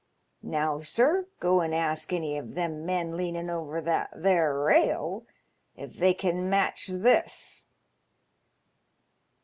Now, sir, go an' ask any of them men leaning over that there rail if they can match this."